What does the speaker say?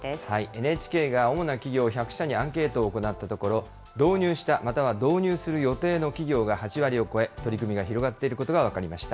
ＮＨＫが主な企業１００社にアンケートを行ったところ、導入した、または導入する予定の企業が８割を超え、取り組みが広がっていることが分かりました。